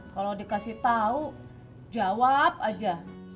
kalau dikasih tahu jawab aja